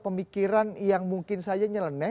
pemikiran yang mungkin saja nyeleneh